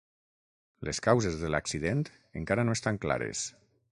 Les causes de l'accident encara no estan clares.